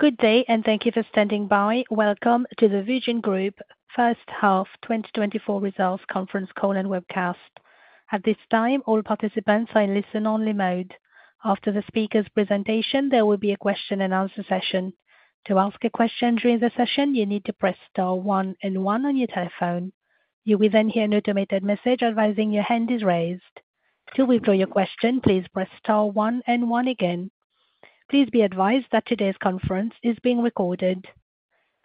Good day, and thank you for standing by. Welcome to the VusionGroup first half 2024 results conference call and webcast. At this time, all participants are in listen-only mode. After the speaker's presentation, there will be a question and answer session. To ask a question during the session, you need to press star one and one on your telephone. You will then hear an automated message advising your hand is raised. To withdraw your question, please press star one and one again. Please be advised that today's conference is being recorded.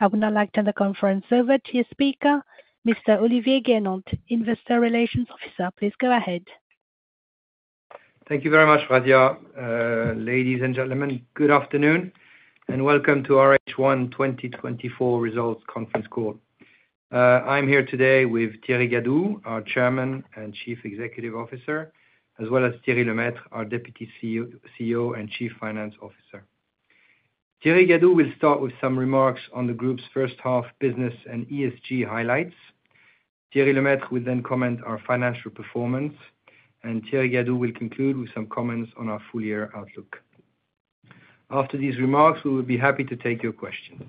I would now like to turn the conference over to your speaker, Mr. Olivier Gernandt, Investor Relations Officer. Please go ahead. Thank you very much, Radia. Ladies and gentlemen, good afternoon, and welcome to our H1 2024 results conference call. I'm here today with Thierry Gadou, our Chairman and Chief Executive Officer, as well as Thierry Lemaître, our Deputy CEO and Chief Financial Officer. Thierry Gadou will start with some remarks on the group's first half business and ESG highlights. Thierry Lemaître will then comment on our financial performance, and Thierry Gadou will conclude with some comments on our full-year outlook. After these remarks, we will be happy to take your questions.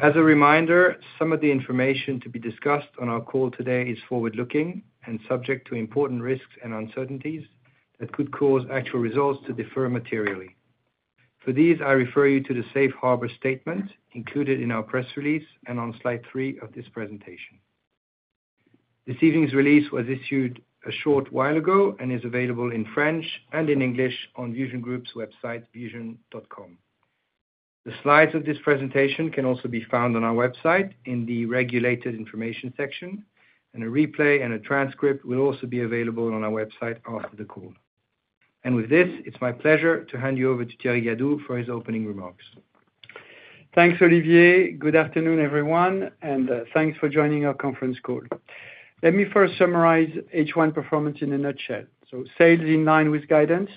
As a reminder, some of the information to be discussed on our call today is forward-looking and subject to important risks and uncertainties that could cause actual results to differ materially. For these, I refer you to the Safe Harbor statement included in our press release and on slide three of this presentation. This evening's release was issued a short while ago and is available in French and in English on VusionGroup's website, vusion.com. The slides of this presentation can also be found on our website in the Regulated Information section, and a replay and a transcript will also be available on our website after the call. With this, it's my pleasure to hand you over to Thierry Gadou for his opening remarks. Thanks, Olivier. Good afternoon, everyone, and thanks for joining our conference call. Let me first summarize H1 performance in a nutshell. So sales in line with guidance,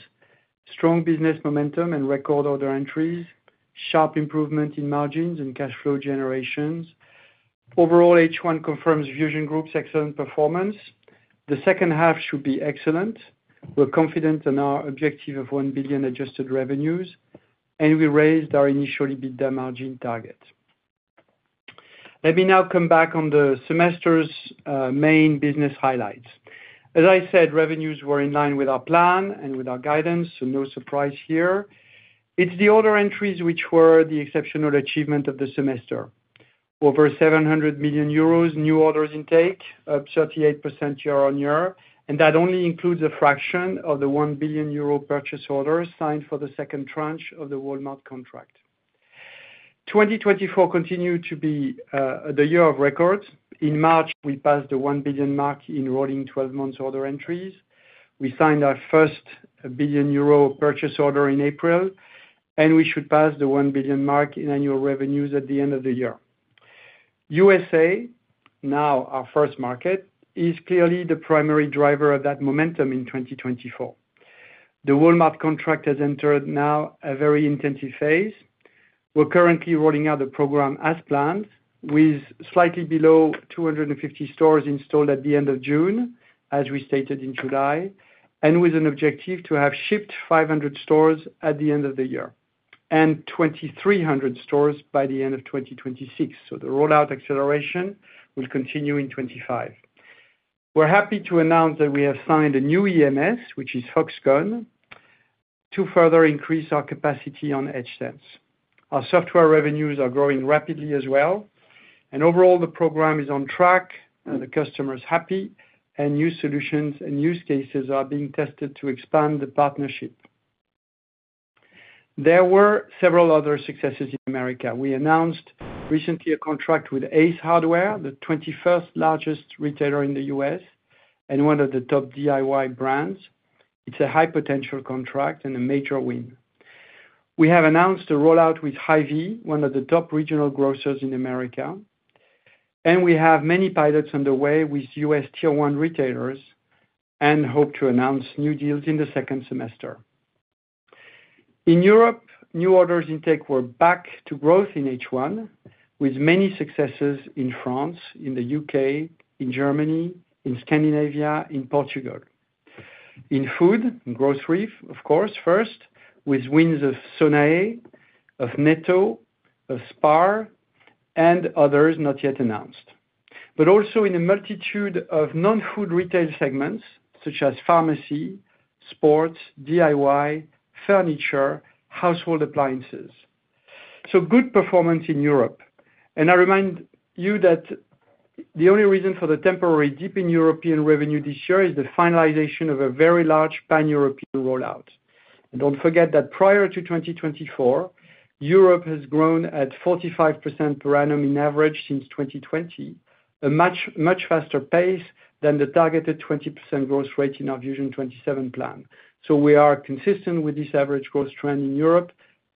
strong business momentum and record order entries, sharp improvement in margins and cash flow generations. Overall, H1 confirms VusionGroup's excellent performance. The second half should be excellent. We're confident in our objective of €1 billion adjusted revenues, and we raised our initially EBITDA margin target. Let me now come back on the semester's main business highlights. As I said, revenues were in line with our plan and with our guidance, so no surprise here. It's the order entries which were the exceptional achievement of the semester. Over 700 million euros in new orders intake, up 38% year on year, and that only includes a fraction of the 1 billion euro purchase order signed for the second tranche of the Walmart contract. 2024 continued to be the year of records. In March, we passed the 1 billion mark in rolling 12 months order entries. We signed our first 1 billion euro purchase order in April, and we should pass the 1 billion mark in annual revenues at the end of the year. USA, now our first market, is clearly the primary driver of that momentum in 2024. The Walmart contract has entered now a very intensive phase. We're currently rolling out the program as planned, with slightly below 250 stores installed at the end of June, as we stated in July, and with an objective to have shipped 500 stores at the end of the year, and 2,300 stores by the end of 2026. So the rollout acceleration will continue in 2025. We're happy to announce that we have signed a new EMS, which is Foxconn, to further increase our capacity on EdgeSense. Our software revenues are growing rapidly as well, and overall, the program is on track, and the customer is happy, and new solutions and use cases are being tested to expand the partnership. There were several other successes in America. We announced recently a contract with Ace Hardware, the 21st largest retailer in the U.S. and one of the top DIY brands. It's a high potential contract and a major win. We have announced a rollout with Hy-Vee, one of the top regional grocers in America, and we have many pilots underway with U.S. tier one retailers and hope to announce new deals in the second semester. In Europe, new orders intake were back to growth in H1, with many successes in France, in the U.K., in Germany, in Scandinavia, in Portugal. In food, in grocery, of course, first, with wins of Sonae, of Netto, of Spar, and others not yet announced, but also in a multitude of non-food retail segments such as pharmacy, sports, DIY, furniture, household appliances. So good performance in Europe. And I remind you that the only reason for the temporary dip in European revenue this year is the finalization of a very large Pan-European rollout. Don't forget that prior to 2024, Europe has grown at 45% per annum on average since 2020, a much, much faster pace than the targeted 20% growth rate in our Vusion-27 plan. We are consistent with this average growth trend in Europe,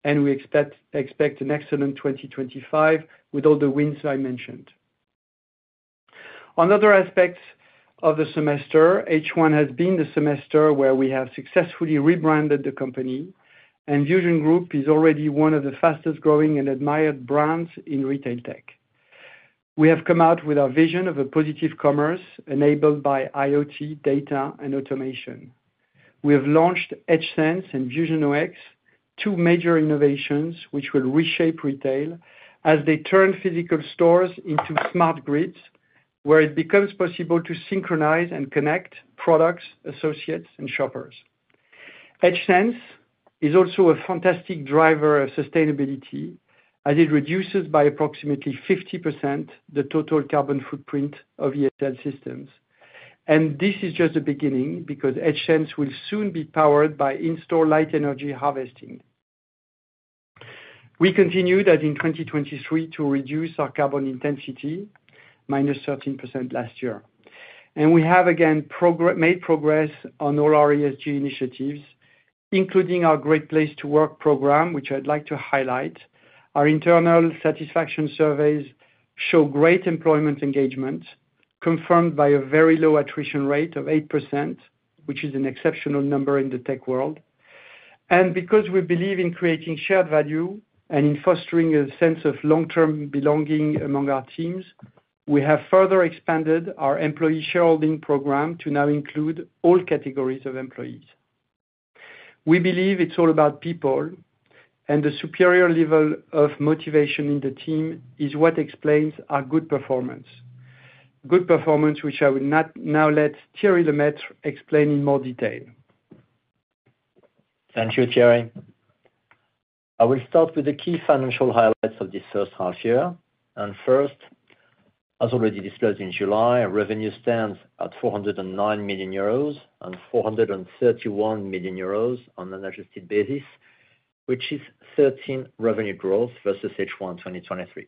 and we expect an excellent 2025 with all the wins that I mentioned. On other aspects of the semester, H1 has been the semester where we have successfully rebranded the company, and VusionGroup is already one of the fastest growing and admired brands in retail tech. We have come out with our vision of a positive commerce enabled by IoT, data, and automation. We have launched EdgeSense and VusionOS, two major innovations which will reshape retail as they turn physical stores into smart grids, where it becomes possible to synchronize and connect products, associates, and shoppers. EdgeSense is also a fantastic driver of sustainability, as it reduces by approximately 50% the total carbon footprint of ESL systems. This is just the beginning, because EdgeSense will soon be powered by in-store light energy harvesting. We continue that in 2023 to reduce our carbon intensity, -13% last year. We have again made progress on all our ESG initiatives, including our Great Place to Work program, which I'd like to highlight. Our internal satisfaction surveys show great employment engagement, confirmed by a very low attrition rate of 8%, which is an exceptional number in the tech world. Because we believe in creating shared value and in fostering a sense of long-term belonging among our teams, we have further expanded our employee shareholding program to now include all categories of employees. We believe it's all about people, and the superior level of motivation in the team is what explains our good performance. Good performance, now let Thierry Lemaître explain in more detail. Thank you, Thierry. I will start with the key financial highlights of this first half year. First, as already discussed in July, our revenue stands at 409 million euros, and 431 million euros on an adjusted basis, which is 13% revenue growth versus H1 2023.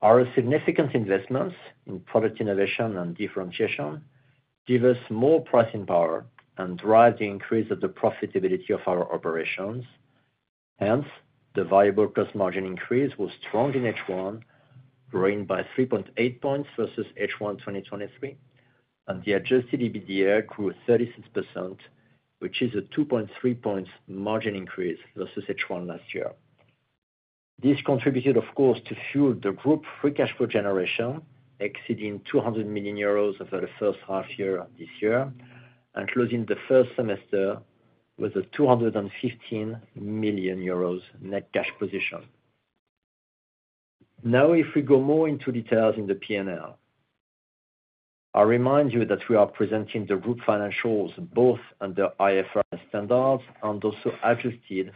Our significant investments in product innovation and differentiation give us more pricing power and drive the increase of the profitability of our operations. Hence, the variable cost margin increase was strong in H1, growing by 3.8 points versus H1 2023. The adjusted EBITDA grew 36%, which is a 2.3 points margin increase versus H1 last year. This contributed, of course, to fuel the group free cash flow generation, exceeding 200 million euros over the first half year of this year, and closing the first semester with a 215 million euros net cash position. Now, if we go more into details in the P&L, I'll remind you that we are presenting the group financials, both under IFRS standards and also adjusted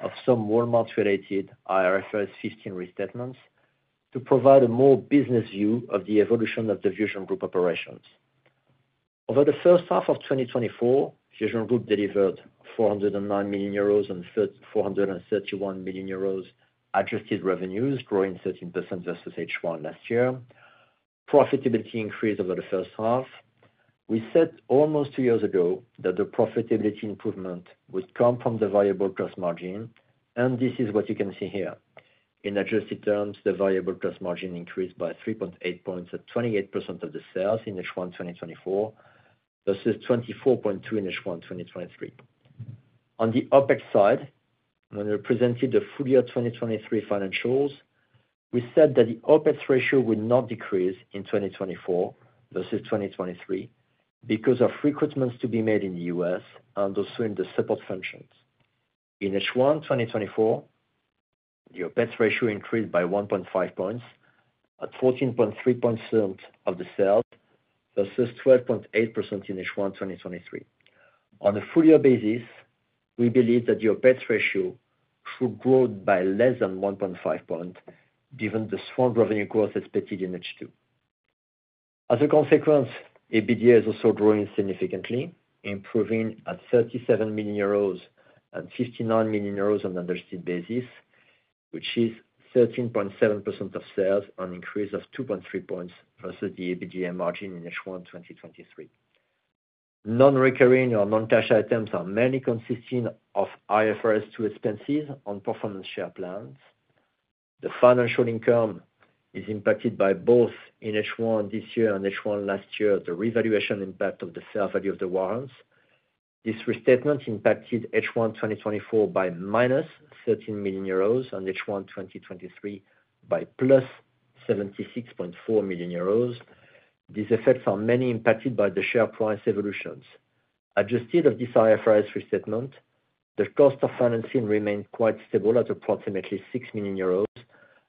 of some Walmart-related IFRS 15 restatements, to provide a more business view of the evolution of the VusionGroup operations. Over the first half of 2024, VusionGroup delivered 409 million euros and 431 million euros adjusted revenues, growing 13% versus H1 last year. Profitability increased over the first half. We said almost two years ago that the profitability improvement would come from the variable cost margin, and this is what you can see here. In adjusted terms, the variable cost margin increased by 3.8 points at 28% of the sales in H1 2024, versus 24.2 in H1 2023. On the OpEx side, when we presented the full-year 2023 financials, we said that the OpEx ratio would not decrease in 2024 versus 2023 because of recruitments to be made in the U.S. and also in the support functions. In H1 2024, the OpEx ratio increased by 1.5 points, at 14.3% of the sales, versus 12.8% in H1 2023. On a full-year basis, we believe that the OpEx ratio should grow by less than 1.5 points, given the strong revenue growth expected in H2. As a consequence, EBITDA is also growing significantly, improving at 37 million euros and 59 million euros on an adjusted basis, which is 13.7% of sales, an increase of 2.3 points versus the EBITDA margin in H1, 2023. Non-recurring or non-cash items are mainly consisting of IFRS 2 expenses on performance share plans. The financial income is impacted by both in H1 this year and H1 last year, the revaluation impact of the fair value of the warrants. This restatement impacted H1, 2024, by -13 million euros, and H1, 2023, by +76.4 million euros. These effects are mainly impacted by the share price evolutions. Adjusted for this IFRS restatement, the cost of financing remained quite stable at approximately 6 million euros,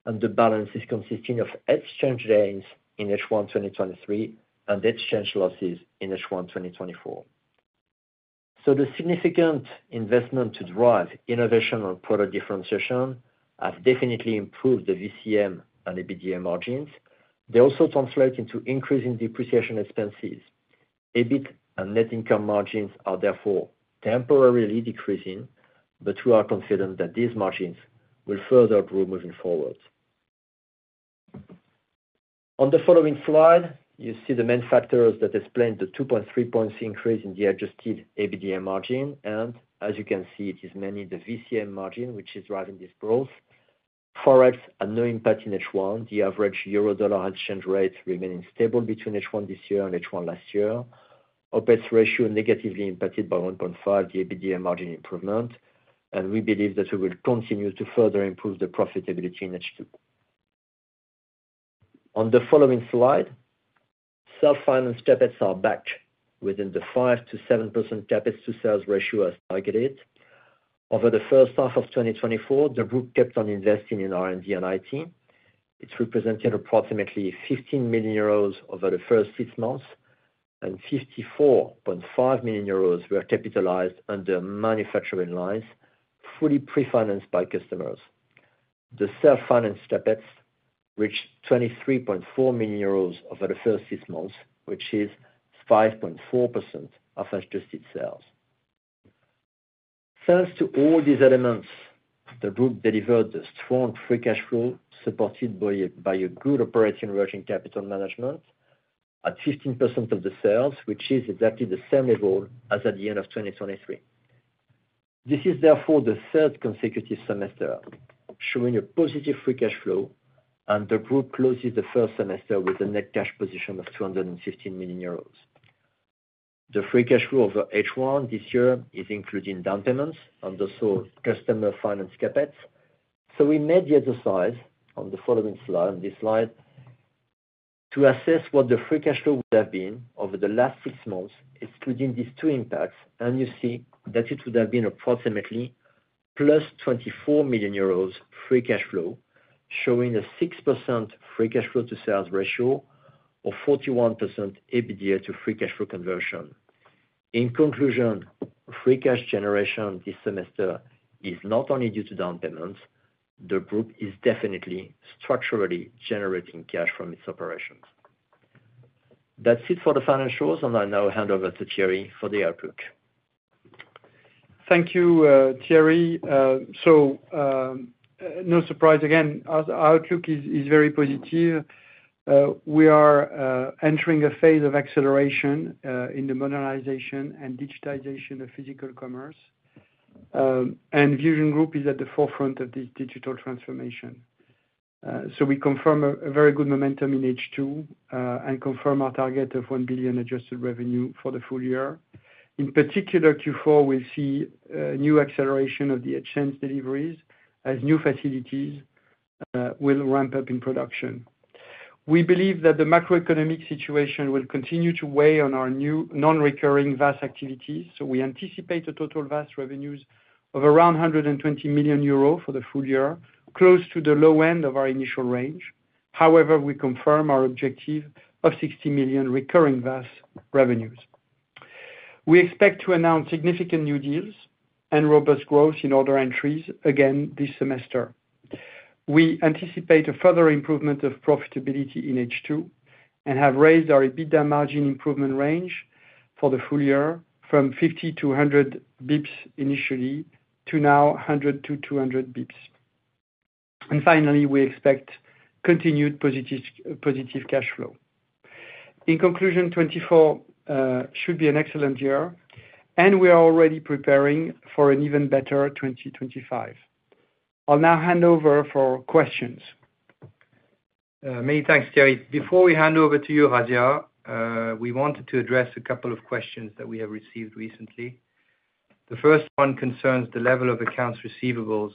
and the balance is consisting of exchange gains in H1 2023, and exchange losses in H1 2024. So the significant investment to drive innovation and product differentiation has definitely improved the VCM and EBITDA margins. They also translate into increasing depreciation expenses. EBIT and net income margins are therefore temporarily decreasing, but we are confident that these margins will further grow moving forward. On the following slide, you see the main factors that explain the 2.3-point increase in the adjusted EBITDA margin, and as you can see, it is mainly the VCM margin which is driving this growth. Forex had no impact in H1, the average euro-dollar exchange rate remaining stable between H1 this year and H1 last year. OpEx ratio negatively impacted by 1.5 EBITDA margin improvement, and we believe that we will continue to further improve the profitability in H2. On the following slide, self-finance CapEx are back within the 5%-7% CapEx to sales ratio as targeted. Over the first half of 2024, the group kept on investing in R&D and IT. It's represented approximately 15 million euros over the first six months, and 54.5 million euros were capitalized under manufacturing lines, fully pre-financed by customers. The self-finance CapEx reached 23.4 million euros over the first six months, which is 5.4% of adjusted sales. Thanks to all these elements, the group delivered a strong free cash flow, supported by a good operating working capital management at 15% of the sales, which is exactly the same level as at the end of 2023. This is therefore the third consecutive semester showing a positive free cash flow, and the group closes the first semester with a net cash position of 215 million euros. The free cash flow over H1 this year is including down payments and also customer finance CapEx. We made the exercise on the following slide, on this slide, to assess what the free cash flow would have been over the last six months, excluding these two impacts, and you see that it would have been approximately +24 million euros free cash flow, showing a 6% free cash flow to sales ratio or 41% EBITDA to free cash flow conversion. In conclusion, free cash generation this semester is not only due to down payments. The group is definitely structurally generating cash from its operations. That's it for the financials, and I now hand over to Thierry for the outlook. Thank you, Thierry. So, no surprise, again, our outlook is very positive. We are entering a phase of acceleration in the modernization and digitization of physical commerce, and VusionGroup is at the forefront of the digital transformation. So we confirm a very good momentum in H2 and confirm our target of €1 billion adjusted revenue for the full-year. In particular, Q4, we see new acceleration of the ESL deliveries as new facilities will ramp up in production. We believe that the macroeconomic situation will continue to weigh on our new non-recurring VaaS activities, so we anticipate the total VaaS revenues of around €120 million for the full-year, close to the low end of our initial range. However, we confirm our objective of €60 million recurring VaaS revenues. We expect to announce significant new deals and robust growth in order entries again this semester. We anticipate a further improvement of profitability in H2 and have raised our EBITDA margin improvement range for the full-year from 50 to 100 basis points initially, to now 100 to 200 basis points. And finally, we expect continued positive cash flow. In conclusion, 2024 should be an excellent year, and we are already preparing for an even better 2025. I'll now hand over for questions. Many thanks, Thierry. Before we hand over to you, Radia, we wanted to address a couple of questions that we have received recently. The first one concerns the level of accounts receivables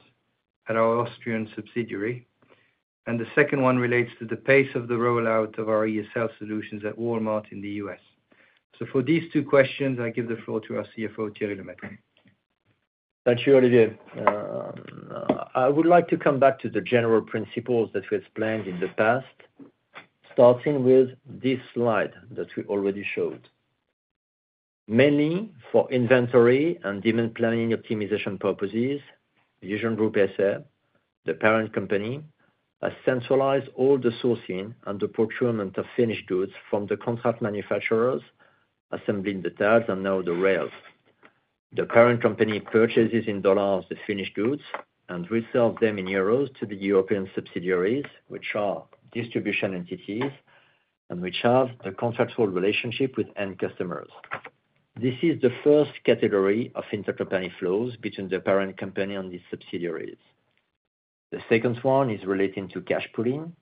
at our Austrian subsidiary, and the second one relates to the pace of the rollout of our ESL solutions at Walmart in the U.S. So for these two questions, I give the floor to our CFO, Thierry Lemaître. Thank you, Olivier. I would like to come back to the general principles that we explained in the past, starting with this slide that we already showed. Mainly for inventory and demand planning optimization purposes, VusionGroup SA, the parent company, has centralized all the sourcing and the procurement of finished goods from the contract manufacturers, assembling the tags and now the rails. The parent company purchases in dollars the finished goods and resells them in euros to the European subsidiaries, which are distribution entities, and which have a contractual relationship with end customers. This is the first category of intercompany flows between the parent company and the subsidiaries. The second one is relating to cash pooling.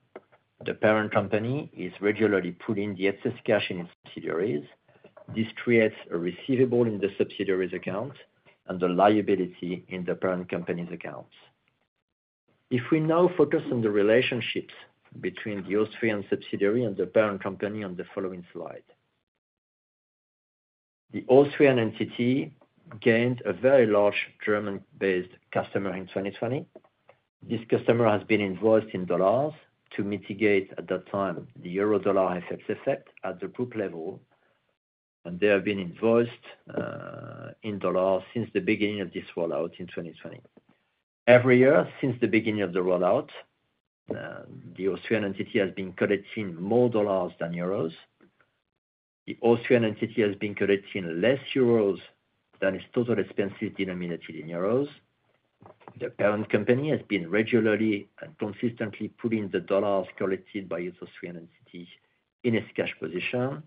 The parent company is regularly pooling the excess cash in its subsidiaries. This creates a receivable in the subsidiaries accounts and the liability in the parent company's accounts. If we now focus on the relationships between the Austrian subsidiary and the parent company on the following slide. The Austrian entity gained a very large German-based customer in 2020. This customer has been invoiced in dollars to mitigate, at that time, the euro-dollar FX effect at the group level, and they have been invoiced in dollars since the beginning of this rollout in 2020. Every year since the beginning of the rollout, the Austrian entity has been collecting more dollars than euros. The Austrian entity has been collecting less euros than its total expenses denominated in euros. The parent company has been regularly and consistently pooling the dollars collected by its Austrian entity in its cash position,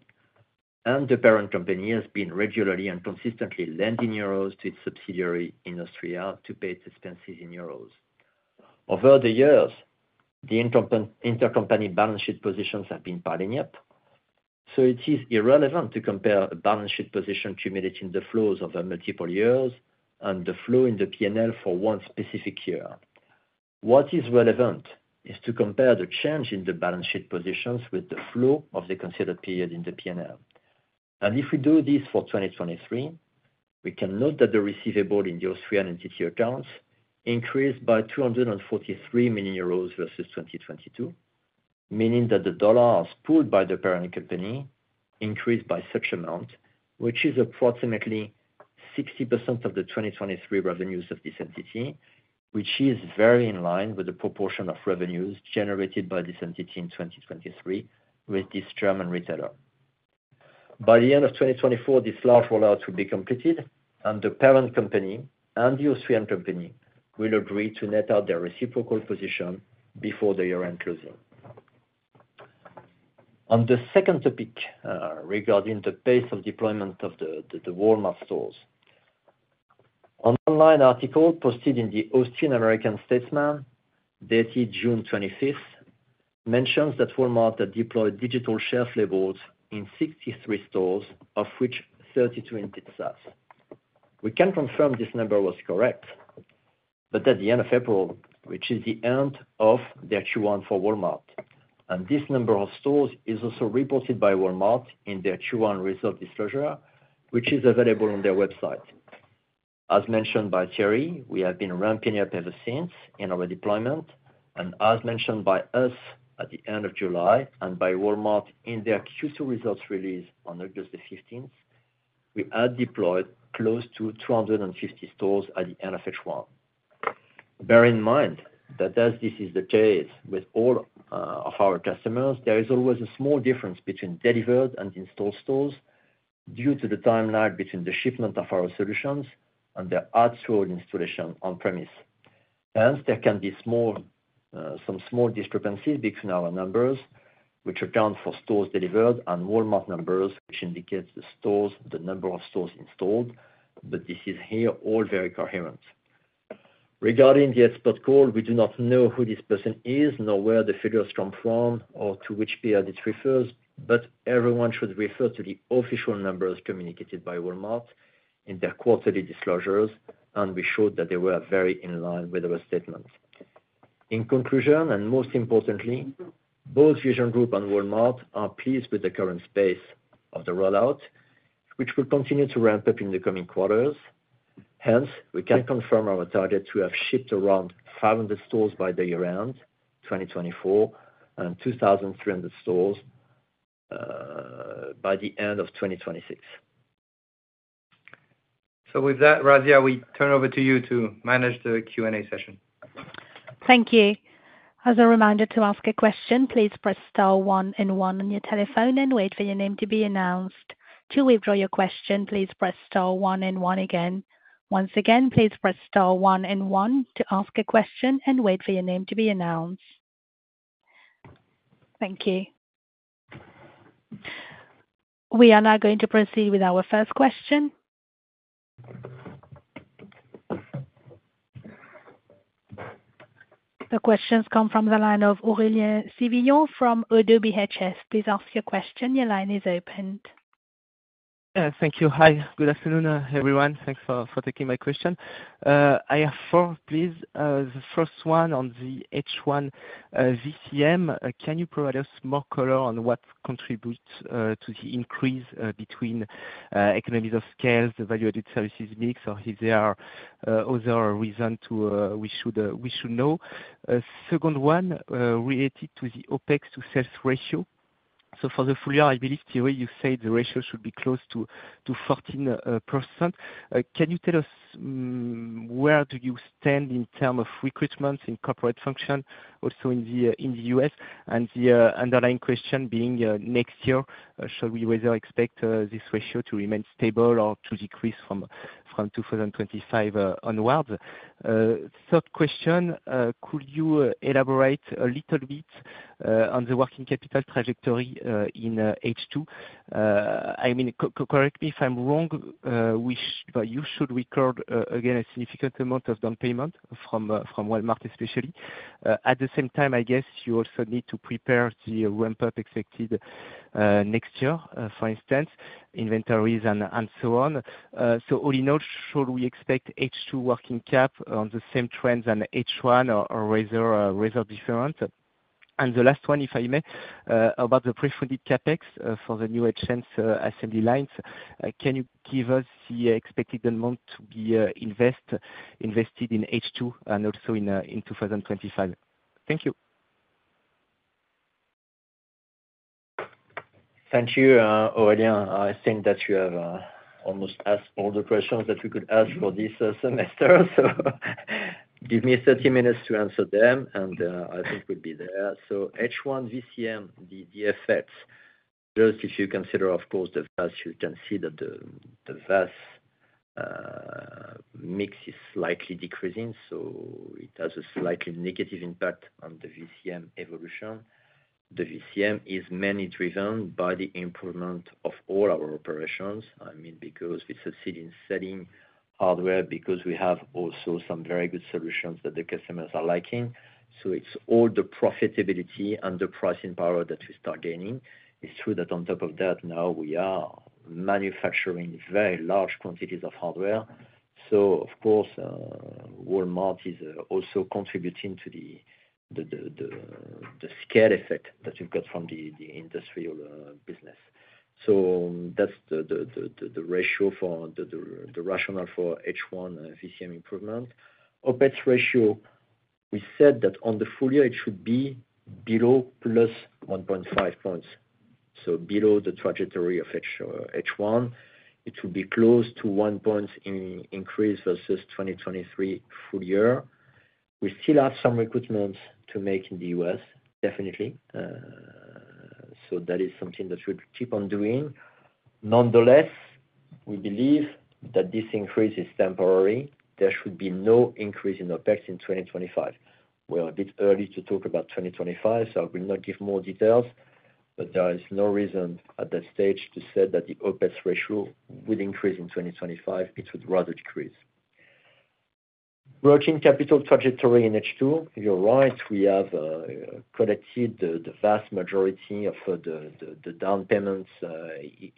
and the parent company has been regularly and consistently lending euros to its subsidiary in Austria to pay its expenses in euros.... Over the years, the intercompany balance sheet positions have been piling up, so it is irrelevant to compare a balance sheet position cumulating the flows over multiple years and the flow in the PNL for one specific year. What is relevant is to compare the change in the balance sheet positions with the flow of the considered period in the PNL. And if we do this for 2023, we can note that the receivable in your Austrian entity accounts increased by 243 million euros versus 2022, meaning that the dollars pooled by the parent company increased by such amount, which is approximately 60% of the 2023 revenues of this entity, which is very in line with the proportion of revenues generated by this entity in 2023, with this German retailer. By the end of 2024, this large rollout will be completed, and the parent company and the Austrian company will agree to net out their reciprocal position before the year-end closing. On the second topic, regarding the pace of deployment of the Walmart stores. An online article posted in the Austin American-Statesman, dated June 25, mentions that Walmart had deployed digital shelf labels in 63 stores, of which 32 in Texas. We can confirm this number was correct, but at the end of April, which is the end of the Q1 for Walmart, and this number of stores is also reported by Walmart in their Q1 results disclosure, which is available on their website. As mentioned by Thierry, we have been ramping up ever since in our deployment, and as mentioned by us at the end of July, and by Walmart in their Q2 results release on August the fifteenth, we had deployed close to 250 stores at the end of H1. Bear in mind that as this is the case with all, our customers, there is always a small difference between delivered and in-store stores due to the timeline between the shipment of our solutions and their actual installation on premise. Hence, there can be small, some small discrepancies between our numbers, which account for stores delivered, and Walmart numbers, which indicates the stores, the number of stores installed, but this is here all very coherent. Regarding the expert call, we do not know who this person is, nor where the figures come from, or to which period it refers, but everyone should refer to the official numbers communicated by Walmart in their quarterly disclosures, and we showed that they were very in line with our statements. In conclusion, and most importantly, both VusionGroup and Walmart are pleased with the current pace of the rollout, which will continue to ramp up in the coming quarters. Hence, we can confirm our target to have shipped around 500 stores by year-end 2024, and 2,300 stores by the end of 2026. So with that, Radia, we turn over to you to manage the Q&A session. Thank you. As a reminder, to ask a question, please press star one and one on your telephone and wait for your name to be announced. To withdraw your question, please press star one and one again. Once again, please press star one and one to ask a question and wait for your name to be announced. Thank you. We are now going to proceed with our first question. The questions come from the line of Aurélien Sivignon from Oddo BHF. Please ask your question. Your line is open. Thank you. Hi, good afternoon, everyone. Thanks for taking my question. I have four, please. The first one on the H1 VCM. Can you provide us more color on what contributes to the increase between economies of scale, the value-added services mix, or is there other reason we should know? Second one related to the OpEx to sales ratio. So for the full-year, I believe, Thierry, you said the ratio should be close to 14%. Can you tell us where do you stand in terms of recruitment in corporate function, also in the U.S.? And the underlying question being, next year, shall we rather expect this ratio to remain stable or to decrease from 2025 onwards? Third question, could you elaborate a little bit on the working capital trajectory in H2? I mean, correct me if I'm wrong, which, but you should record again a significant amount of down payment from Walmart, especially. At the same time, I guess you also need to prepare the ramp-up expected next year, for instance, inventories and so on. So all in all, should we expect H2 working cap on the same trends than H1 or rather different? And the last one, if I may, about the pre-funded CapEx for the new EdgeSense assembly lines. Can you give us the expected amount to be invested in H2 and also in 2025? Thank you. Thank you, Aurélien. I think that you have almost asked all the questions that we could ask for this semester. Give me 30 minutes to answer them, and I think we'll be there. H1 VCM, the effects, just if you consider of course the value, you can see that the VaaS mix is slightly decreasing, so it has a slightly negative impact on the VCM evolution. The VCM is mainly driven by the improvement of all our operations, I mean, because we succeed in selling hardware, because we have also some very good solutions that the customers are liking. So it's all the profitability and the pricing power that we start gaining. It's true that on top of that, now we are manufacturing very large quantities of hardware. So of course, Walmart is also contributing to the scale effect that you've got from the industrial business. So that's the ratio for the rationale for H1 VCM improvement. OpEx ratio, we said that on the full-year, it should be below +1.5 points. So below the trajectory of H1, it should be close to 1-point increase versus 2023 full-year. We still have some recruitments to make in the U.S., definitely. So that is something that we'll keep on doing. Nonetheless, we believe that this increase is temporary. There should be no increase in OpEx in 2025. We're a bit early to talk about 2025, so I will not give more details, but there is no reason at that stage to say that the OpEx ratio will increase in 2025; it would rather decrease. Working capital trajectory in H2, you're right, we have collected the vast majority of the down payments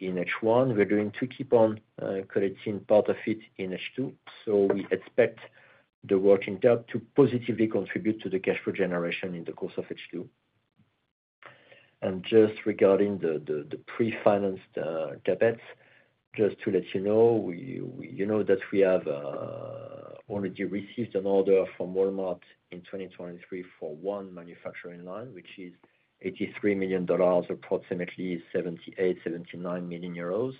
in H1. We're going to keep on collecting part of it in H2, so we expect the working capital to positively contribute to the cash flow generation in the course of H2. And just regarding the pre-financed CapEx, just to let you know, we, you know, that we have already received an order from Walmart in 2023 for one manufacturing line, which is $83 million, approximately 78- 79 million euros.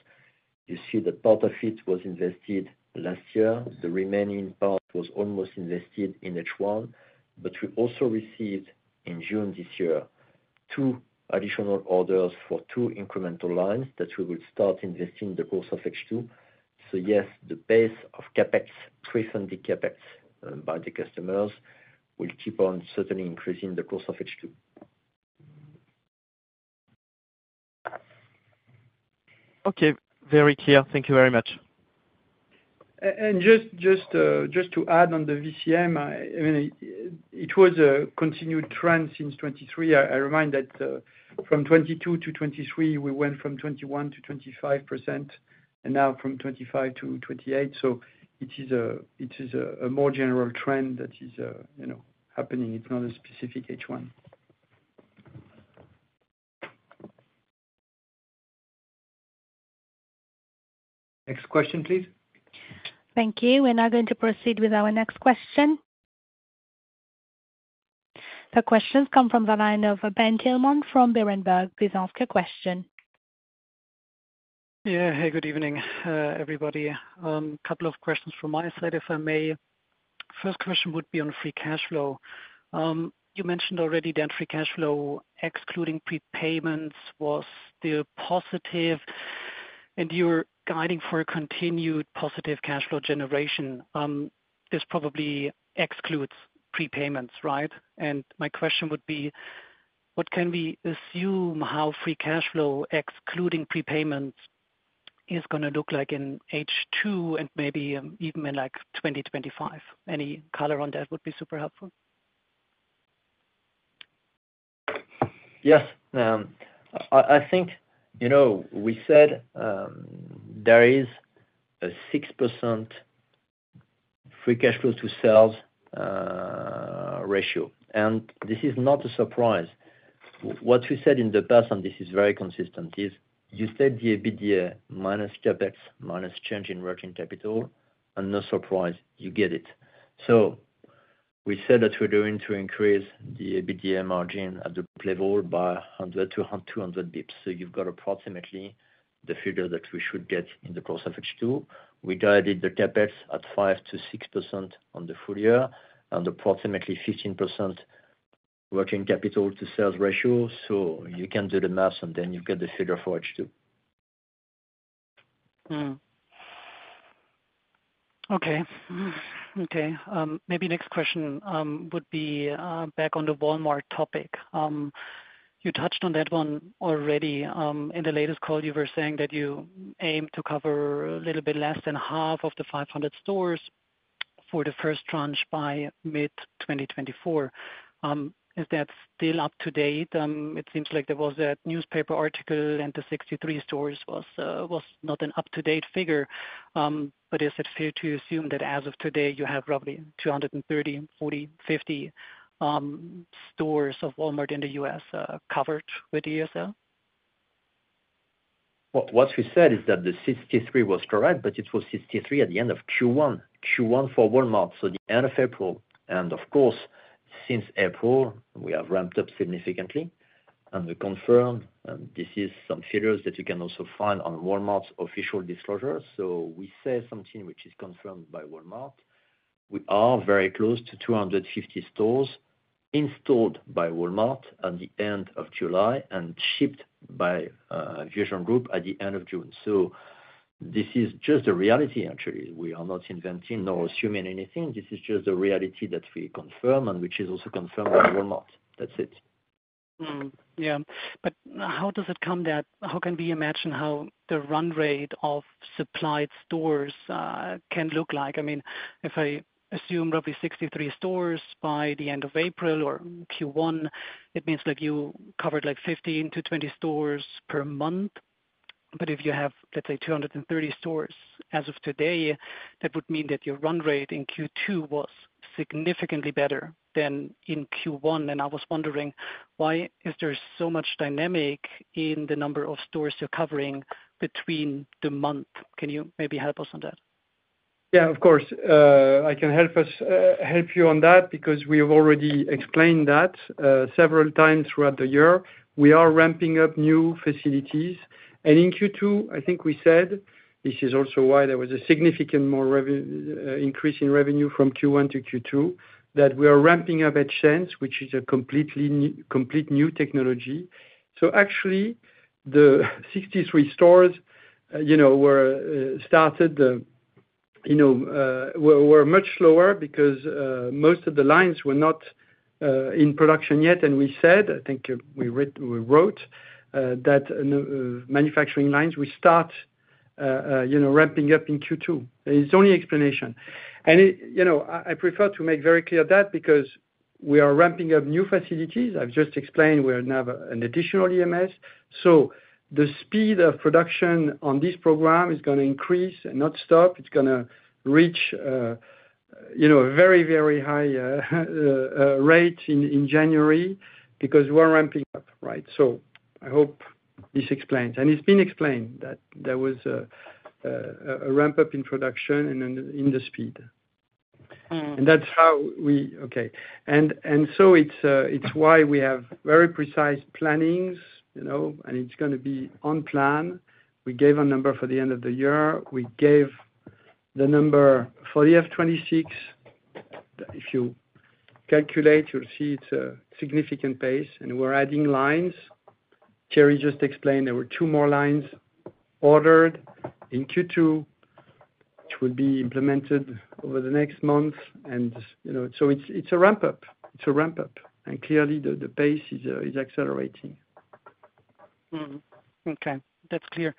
You see that part of it was invested last year. The remaining part was almost invested in H1, but we also received, in June this year, two additional orders for two incremental lines that we will start investing in the course of H2. So yes, the base of CapEx, pre-funded CapEx, by the customers, will keep on certainly increasing the course of H2. Okay. Very clear. Thank you very much. Just to add on the VCM, I mean, it was a continued trend since 2023. I remind that from 2022 to 2023, we went from 21%-25%, and now from 25%-28%. It is a more general trend that is, you know, happening. It's not a specific H1. Next question, please. Thank you. We're now going to proceed with our next question. The question's come from the line of Ben Thielmann from Berenberg. Please ask your question. Yeah. Hey, good evening, everybody. Couple of questions from my side, if I may. First question would be on free cash flow. You mentioned already that free cash flow, excluding prepayments, was still positive, and you're guiding for a continued positive cash flow generation. This probably excludes prepayments, right? And my question would be, what can we assume how free cash flow, excluding prepayments, is gonna look like in H2 and maybe, even in, like, 2025? Any color on that would be super helpful. Yes. I think, you know, we said there is a 6% free cash flow to sales ratio, and this is not a surprise. What we said in the past, and this is very consistent, is you said the EBITDA minus CapEx, minus change in working capital, and no surprise, you get it. So we said that we're going to increase the EBITDA margin at the group level by 100 to 200 basis points. So you've got approximately the figure that we should get in the course of H2. We guided the CapEx at 5% to 6% on the full-year and approximately 15% working capital to sales ratio. So you can do the math, and then you've got the figure for H2. Okay. Maybe next question would be back on the Walmart topic. You touched on that one already. In the latest call, you were saying that you aim to cover a little bit less than half of the 500 stores for the first tranche by mid 2024. Is that still up to date? It seems like there was a newspaper article, and the 63 stores was not an up-to-date figure. But is it fair to assume that as of today, you have roughly 230-250 stores of Walmart in the U.S. covered with ESL? What we said is that the 63 was correct, but it was 63 at the end of Q1 for Walmart, so the end of April, and of course, since April, we have ramped up significantly. We confirm, and this is some figures that you can also find on Walmart's official disclosure, so we say something which is confirmed by Walmart. We are very close to 250 stores installed by Walmart at the end of July and shipped by VusionGroup at the end of June. So- ...This is just a reality, actually. We are not inventing nor assuming anything. This is just a reality that we confirm, and which is also confirmed by the market. That's it. Yeah, but how can we imagine how the run rate of supplied stores can look like? I mean, if I assume roughly 63 stores by the end of April or Q1, it means like you covered like 15-20 stores per month. But if you have, let's say, 230 stores as of today, that would mean that your run rate in Q2 was significantly better than in Q1. And I was wondering, why is there so much dynamic in the number of stores you're covering between the month? Can you maybe help us on that? Yeah, of course. I can help us, help you on that, because we have already explained that, several times throughout the year. We are ramping up new facilities, and in Q2, I think we said this is also why there was a significant more increase in revenue from Q1 to Q2, that we are ramping up EdgeSense, which is a completely new, complete new technology. So actually, the 63 stores, you know, were started, you know, were much lower because most of the lines were not in production yet. And we said, I think we wrote, that manufacturing lines will start, you know, ramping up in Q2. It's the only explanation. And you know, I prefer to make very clear that because we are ramping up new facilities, I've just explained we have an additional EMS. So the speed of production on this program is gonna increase and not stop. It's gonna reach, you know, a very, very high rate in January because we're ramping up, right? So I hope this explains, and it's been explained that there was a ramp-up in production and in the speed. Mm. That's how we have very precise plannings, you know, and it's gonna be on plan. We gave a number for the end of the year. We gave the number for the F 2026. If you calculate, you'll see it's a significant pace, and we're adding lines. Thierry just explained there were two more lines ordered in Q2, which will be implemented over the next month. You know, so it's a ramp-up. It's a ramp-up, and clearly the pace is accelerating. Mm-hmm. Okay, that's clear.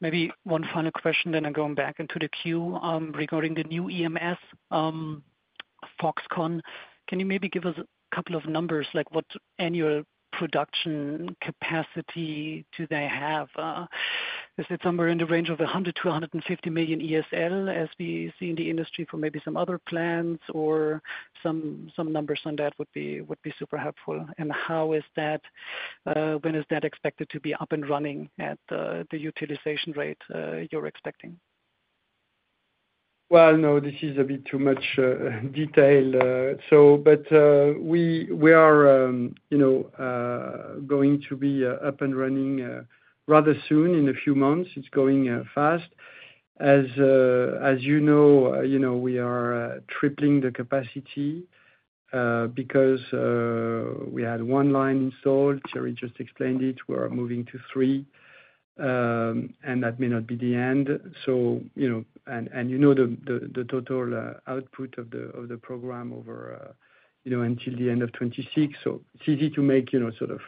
Maybe one final question then I'm going back into the queue. Regarding the new EMS, Foxconn, can you maybe give us a couple of numbers, like, what annual production capacity do they have? Is it somewhere in the range of 100-150 million ESL, as we see in the industry for maybe some other plans or some numbers on that would be super helpful. And how is that, when is that expected to be up and running at the utilization rate you're expecting? Well, no, this is a bit too much detail, so but we are you know going to be up and running rather soon, in a few months. It's going fast. As you know, you know, we are tripling the capacity because we had one line installed. Thierry just explained it. We are moving to three, and that may not be the end. So, you know, and you know, the total output of the program over you know until the end of 2026. So it's easy to make, you know, sort of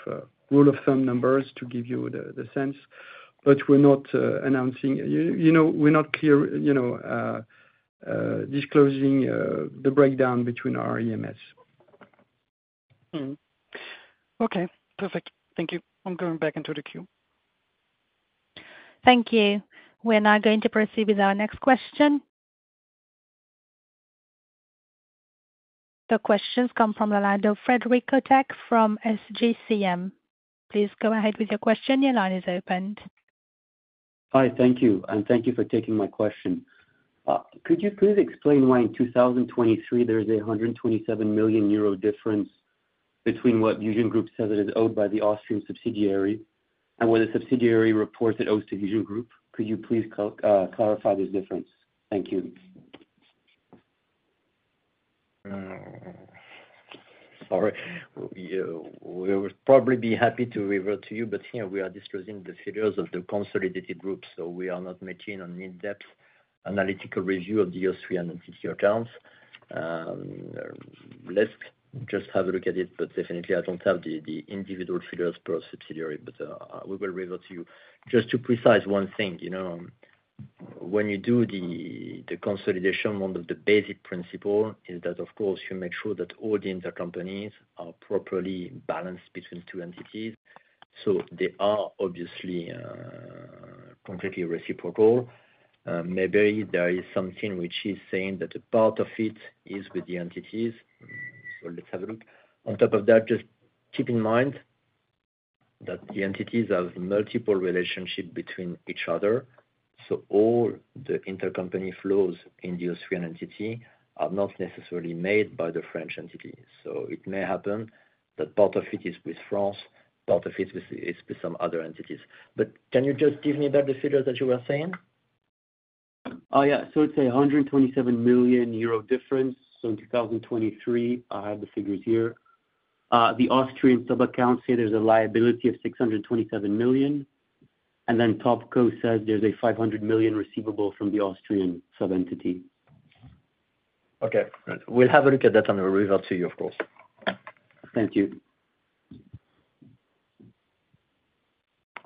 rule of thumb numbers to give you the sense, but we're not announcing. You know, we're not clear, you know, disclosing the breakdown between our EMS. Hmm. Okay, perfect. Thank you. I'm going back into the queue. Thank you. We're now going to proceed with our next question. The question comes from Orlando Frederico from SGCM. Please go ahead with your question. Your line is open. Hi, thank you, and thank you for taking my question. Could you please explain why in 2023 there is a 127 million euro difference between what VusionGroup says it is owed by the Austrian subsidiary, and what the subsidiary reports it owes to VusionGroup? Could you please clarify this difference? Thank you. Sorry, we would probably be happy to revert to you, but you know, we are disclosing the figures of the consolidated group, so we are not making an in-depth analytical review of the Austrian entity accounts. Let's just have a look at it, but definitely, I don't have the individual figures per subsidiary. But we will revert to you. Just to précis one thing, you know, when you do the consolidation, one of the basic principle is that, of course, you make sure that all the intercompanies are properly balanced between two entities, so they are obviously completely reciprocal. Maybe there is something which is saying that a part of it is with the entities. So let's have a look. On top of that, just keep in mind that the entities have multiple relationship between each other, so all the intercompany flows in the Austrian entity are not necessarily made by the French entity. So it may happen that part of it is with France, part of it is with some other entities. But can you just give me back the figures that you were saying? Yeah. So it's 127 million euro difference. So in 2023, I have the figures here. The Austrian subsidiary says there's a liability of 627 million EUR, and then TopCo says there's a 500 million EUR receivable from the Austrian subsidiary. Okay, great. We'll have a look at that and we'll revert to you, of course. Thank you.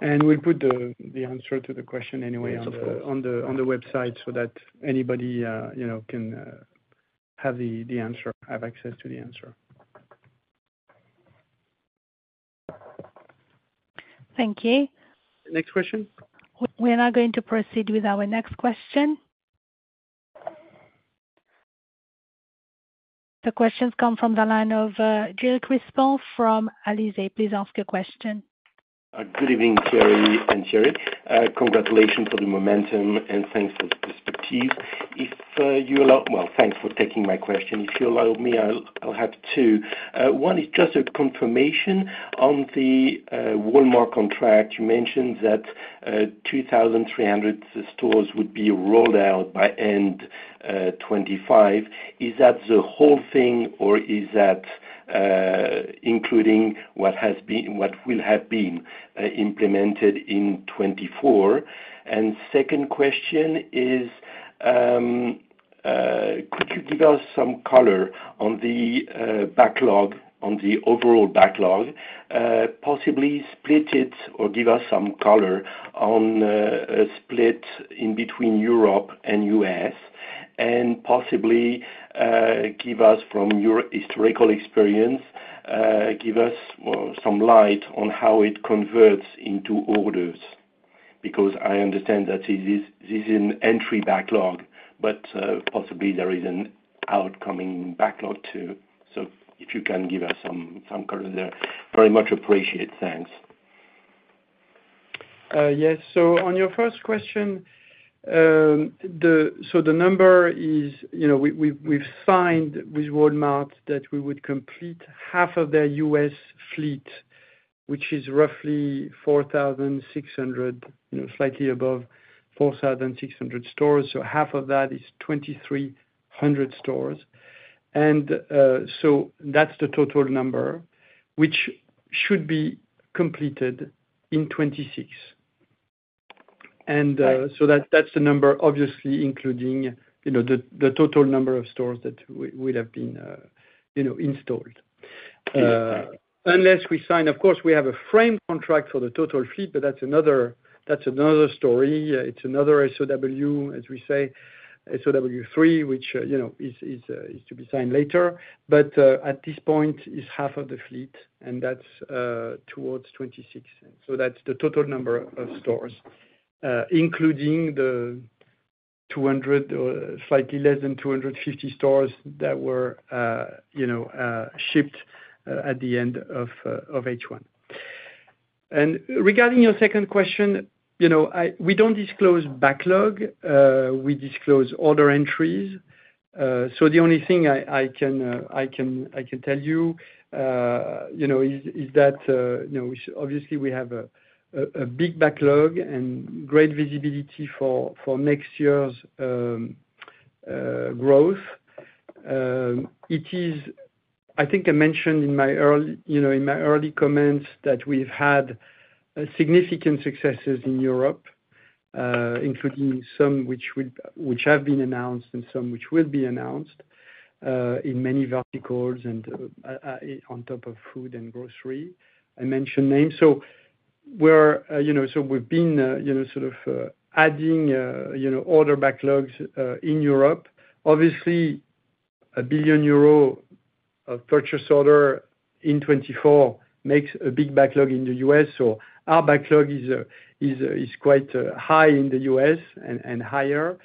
And we'll put the answer to the question anyway- Yes, of course. On the website so that anybody, you know, can have the answer, have access to the answer. Thank you. Next question. We are now going to proceed with our next question. The question comes from the line of Gilles Crispin from Alizé. Please ask your question. Good evening, Thierry and Thierry. Congratulations for the momentum, and thanks for the perspective. If you allow... Well, thanks for taking my question. If you allow me, I'll have two. One is just a confirmation on the Walmart contract. You mentioned that 2,300 stores would be rolled out by end 2025. Is that the whole thing, or is that including what has been... What will have been implemented in 2024? And second question is, could you give us some color on the backlog, on the overall backlog, possibly split it or give us some color on a split in between Europe and US, and possibly give us from your historical experience, give us, well, some light on how it converts into orders. Because I understand that it is, this is an incoming backlog, but possibly there is an outgoing backlog too. So if you can give us some color there, very much appreciated. Thanks. Yes. On your first question, the number is, you know, we've signed with Walmart that we would complete half of their U.S. fleet, which is roughly 4,600, you know, slightly above 4,600 stores, so half of that is 2,300 stores. And so that's the total number, which should be completed in 2026. And so that's the number obviously including, you know, the total number of stores that would have been, you know, installed. Uh, right. Unless we sign. Of course, we have a frame contract for the total fleet, but that's another story. It's another SOW, as we say, SOW three, which, you know, is to be signed later. But at this point, it's half of the fleet, and that's towards 2026. So that's the total number of stores, including the 200 or slightly less than 250 stores that were, you know, shipped at the end of H1. And regarding your second question, you know, we don't disclose backlog, we disclose order entries. So the only thing I can tell you, you know, is that, you know, we obviously have a big backlog and great visibility for next year's growth. It is. I think I mentioned in my earlier comments that we've had significant successes in Europe, including some which have been announced and some which will be announced, in many verticals and, on top of food and grocery, I mentioned names. So we're, you know, we've been, you know, sort of adding, you know, order backlogs in Europe. Obviously, 1 billion euro of purchase order in 2024 makes a big backlog in the U.S., so our backlog is quite high in the U.S. and higher.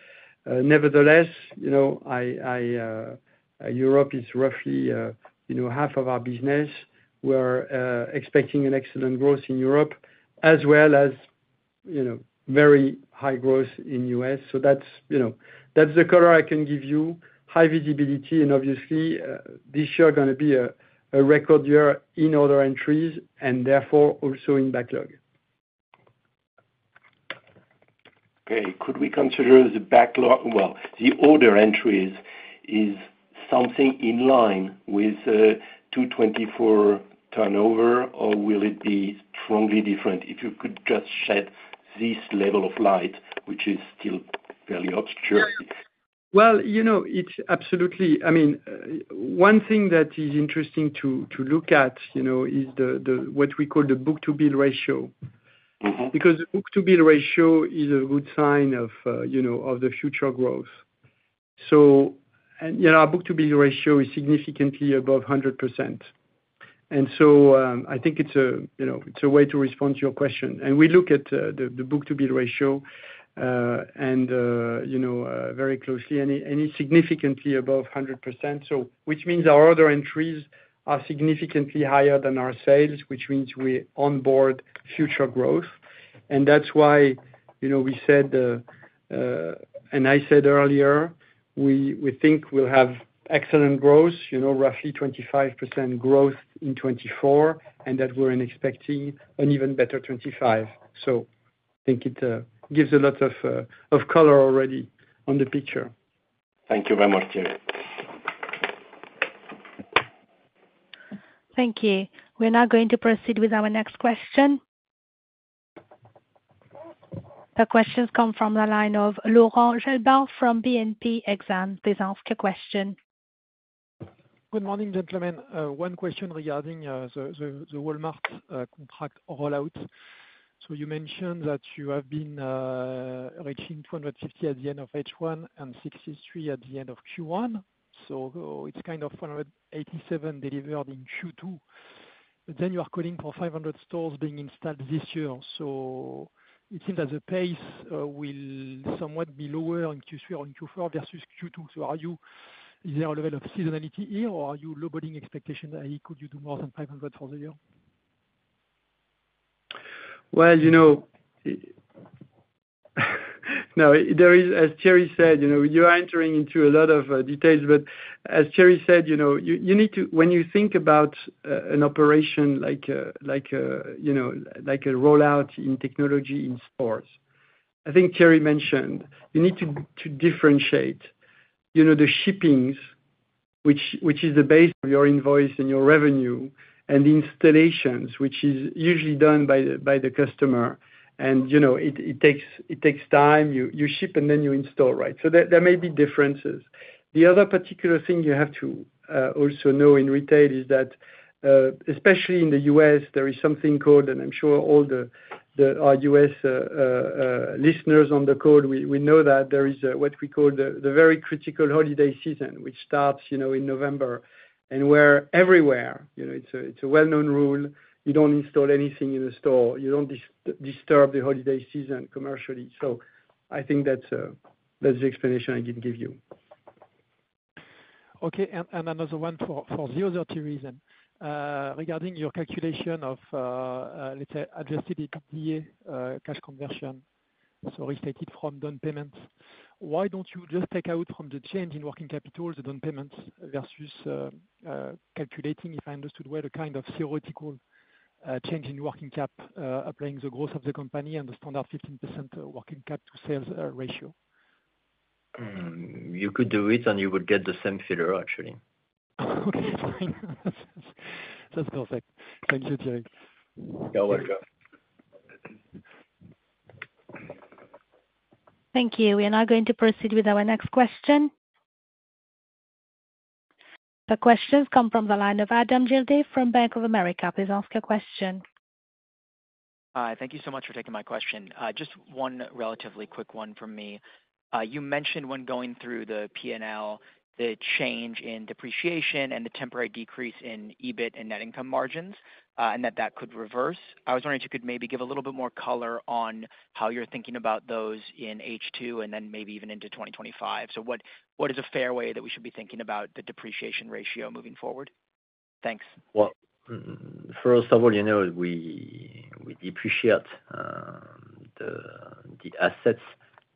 Nevertheless, you know, Europe is roughly, you know, half of our business. We're expecting an excellent growth in Europe as well as, you know, very high growth in U.S. So that's, you know, that's the color I can give you, high visibility, and obviously, this year are gonna be a record year in order entries and therefore also in backlog. Okay. Could we consider the backlog, well, the order entries, is something in line with 2024 turnover, or will it be strongly different? If you could just shed this level of light, which is still fairly obscure. You know, it's absolutely... I mean, one thing that is interesting to look at, you know, is what we call the book-to-bill ratio. Mm-hmm. Because book-to-bill ratio is a good sign of, you know, of the future growth, so and, you know, our book-to-bill ratio is significantly above 100%. And so, I think it's a, you know, it's a way to respond to your question, and we look at the book-to-bill ratio and, you know, very closely, and it's significantly above 100%, so which means our order entries are significantly higher than our sales, which means we onboard future growth, and that's why, you know, we said and I said earlier, we think we'll have excellent growth, you know, roughly 25% growth in 2024, and that we're expecting an even better 2025, so I think it gives a lot of color already on the picture.... Thank you very much, Thierry. Thank you. We're now going to proceed with our next question. The question's come from the line of Laurent Gélébart from BNP Exane. Please ask your question. Good morning, gentlemen. One question regarding the Walmart contract rollout. So you mentioned that you have been reaching 250 at the end of H1 and 63 at the end of Q1, so it's kind of 187 delivered in Q2. But then you are calling for 500 stores being installed this year, so it seems that the pace will somewhat be lower in Q3 or in Q4 versus Q2. So are you, is there a level of seasonality here, or are you lowballing expectations, and could you do more than 500 for the year? You know, no, there is, as Thierry said, you know, you are entering into a lot of details, but as Thierry said, you know, you need to. When you think about an operation like, you know, like a rollout in technology in stores, I think Thierry mentioned, you need to differentiate, you know, the shipments, which is the base of your invoice and your revenue, and the installations, which is usually done by the customer. You know, it takes time. You ship, and then you install, right? So there may be differences. The other particular thing you have to also know in retail is that, especially in the U.S., there is something called, and I'm sure all our U.S. listeners on the call, we know that there is a what we call the very critical holiday season, which starts, you know, in November, and where everywhere, you know, it's a well-known rule, you don't install anything in the store. You don't disturb the holiday season commercially. So I think that's the explanation I can give you. Okay, and another one for the other Thierry then. Regarding your calculation of, let's say, adjusted EBITDA, cash conversion, so restated from down payments, why don't you just take out from the change in working capital, the down payments versus calculating, if I understood well, the kind of theoretical change in working cap, applying the growth of the company and the standard 15% working cap to sales ratio? You could do it, and you would get the same figure, actually. Okay, fine. That's perfect. Thank you, Thierry. You're welcome. Thank you. We are now going to proceed with our next question. The questions come from the line of Adam Angelov from Bank of America. Please ask your question. Hi. Thank you so much for taking my question. Just one relatively quick one from me. You mentioned when going through the P&L, the change in depreciation and the temporary decrease in EBIT and net income margins, and that that could reverse. I was wondering if you could maybe give a little bit more color on how you're thinking about those in H2, and then maybe even into 2025. So what, what is a fair way that we should be thinking about the depreciation ratio moving forward? Thanks. First of all, you know, we depreciate the assets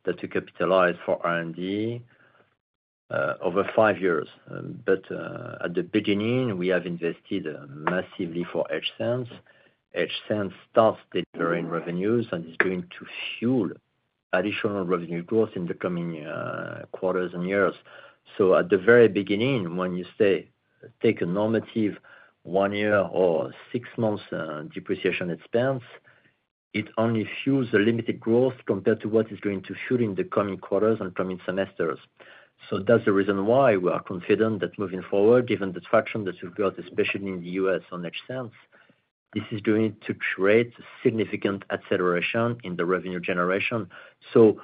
that we capitalize for R&D over five years. But at the beginning, we have invested massively for EdgeSense. EdgeSense starts delivering revenues and is going to fuel additional revenue growth in the coming quarters and years. So at the very beginning, when you say, take a normative one year or six months depreciation expense, it only fuels a limited growth compared to what is going to fuel in the coming quarters and coming semesters. So that's the reason why we are confident that moving forward, given the traction that we've got, especially in the U.S. on EdgeSense, this is going to create significant acceleration in the revenue generation. So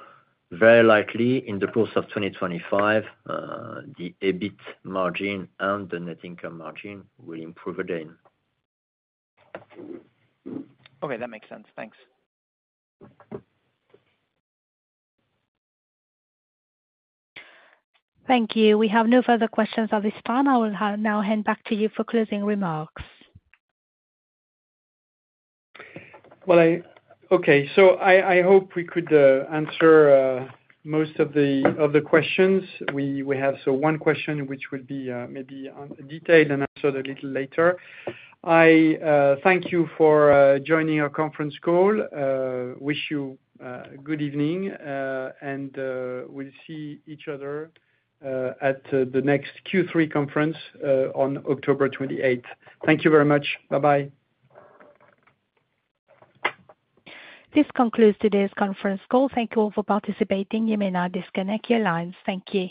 very likely, in the course of 2025, the EBIT margin and the net income margin will improve again. Okay, that makes sense. Thanks. Thank you. We have no further questions at this time. I will now hand back to you for closing remarks. Well, okay. So I hope we could answer most of the questions. We have one question, which will be maybe undetailed and answered a little later. I thank you for joining our conference call. Wish you good evening, and we'll see each other at the next Q3 conference on October 28th. Thank you very much. Bye-bye. This concludes today's conference call. Thank you all for participating. You may now disconnect your lines. Thank you.